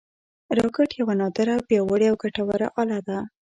راکټ یوه نادره، پیاوړې او ګټوره اله ده